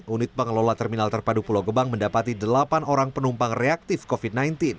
unit pengelola terminal terpadu pulau gebang mendapati delapan orang penumpang reaktif covid sembilan belas